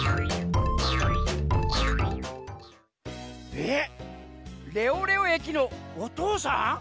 えっレオレオえきのおとうさん？